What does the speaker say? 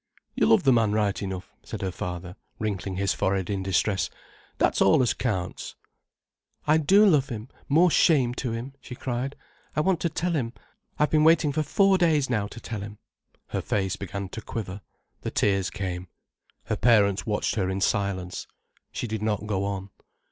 "You love the man right enough," said her father, wrinkling his forehead in distress. "That's all as counts." "I do love him, more shame to him," she cried. "I want to tell him—I've been waiting for four days now to tell him——" her face began to quiver, the tears came. Her parents watched her in silence. She did not go on.